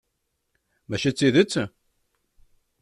Mačči d tidet?